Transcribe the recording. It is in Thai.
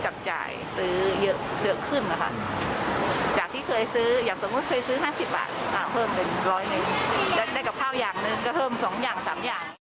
จากที่เคยซื้ออย่างสมมุติเคยซื้อ๕๐บาทเพิ่มเป็น๑๐๐นิ้วแล้วได้กับข้าวยางหนึ่งก็เพิ่ม๒อย่าง๓อย่าง